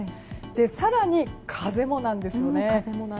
更に、風もなんですよね。